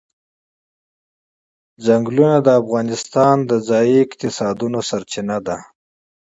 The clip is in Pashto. ځنګلونه د افغانستان د ځایي اقتصادونو بنسټ دی.